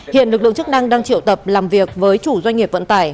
hiện lực lượng chức năng đang triệu tập làm việc với chủ doanh nghiệp vận tải